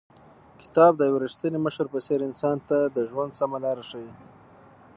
کتاب د یو رښتیني مشر په څېر انسان ته د ژوند سمه لار ښیي.